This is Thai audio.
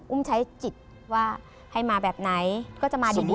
ใช้จิตว่าให้มาแบบไหนก็จะมาดี